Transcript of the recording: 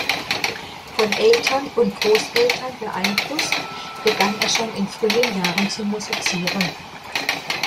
Von Eltern und Großeltern beeinflusst, begann er schon in frühen Jahren zu musizieren.